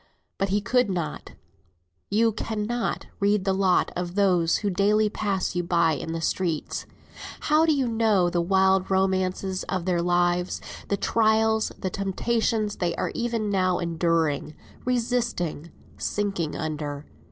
But he could not, you cannot, read the lot of those who daily pass you by in the street. How do you know the wild romances of their lives; the trials, the temptations they are even now enduring, resisting, sinking under?